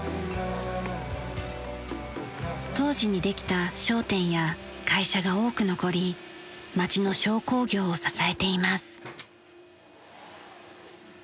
当時にできた商店や会社が多く残り町の商工業を支えています。